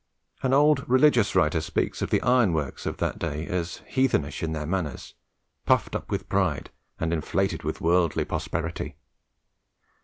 An old religious writer speaks of the ironworkers of that day as heathenish in their manners, puffed up with pride, and inflated with worldly prosperity.